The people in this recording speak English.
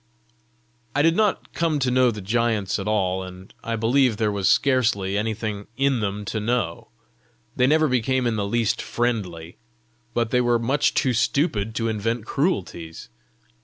I did not come to know the giants at all, and I believe there was scarcely anything in them to know. They never became in the least friendly, but they were much too stupid to invent cruelties.